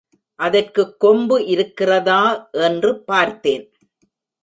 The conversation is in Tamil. அதற்குக் கொம்பு இருக்கிறதா என்று பார்த்தேன்.